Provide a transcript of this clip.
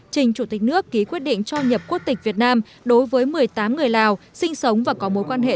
trình chủ tịch nước ký quyết định cho nhập quốc tịch việt nam đối với một mươi tám người lào sinh sống và có mối quan hệ